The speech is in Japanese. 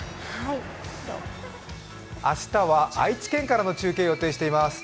明日は愛知県からの中継を予定しています。